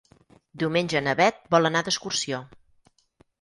Diumenge na Bet vol anar d'excursió.